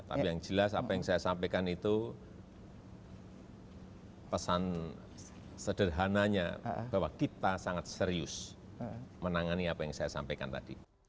tapi yang jelas apa yang saya sampaikan itu pesan sederhananya bahwa kita sangat serius menangani apa yang saya sampaikan tadi